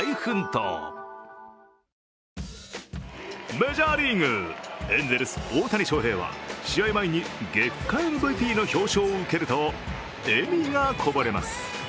メジャーリーグ、エンゼルス大谷翔平は試合前に月間ＭＶＰの表彰を受けると笑みがこぼれます。